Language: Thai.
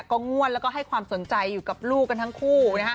ก็งวดแล้วก็ให้ความสนใจอยู่กับลูกกันทั้งคู่นะฮะ